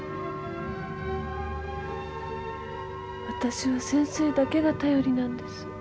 私は先生だけが頼りなんです。